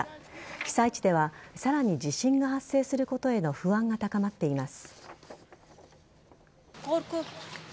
被災地ではさらに地震が発生することへの不安が高まっています。